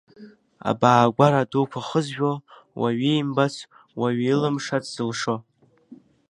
Абаагәара дуқәа хызжәо, уаҩ иимбац, уаҩ илымшац зылшо.